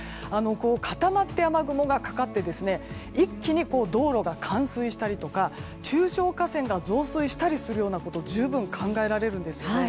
固まって雨雲がかかって一気に道路が冠水したりとか中小河川が増水することが十分に考えられるんですね。